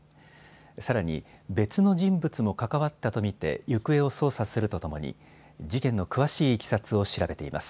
さらに別の人物も関わったと見て行方を捜査するとともに事件の詳しいいきさつを調べています。